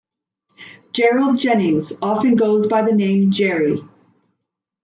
Gerald Jennings often goes by the name Jerry.